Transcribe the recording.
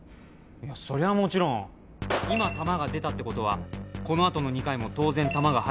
そりゃもちろん今弾が出たってことはこの後の２回も当然弾が入ってる。